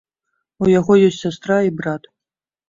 У яго ёсць сястра і брат.